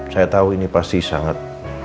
saya tahu ini pasti sangat